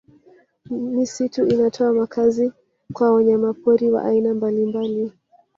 Misitu inatoa makazi kwa wanyamapori wa aina mbalimbali